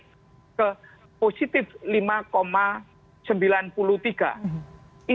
harga komoditas itu sudah mulai naik hingga ke posisi lima sembilan puluh tiga